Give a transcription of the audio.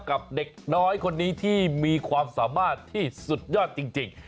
กับเด็กน้อยคนนี้ที่มีความสามารถที่สุดยอดจริง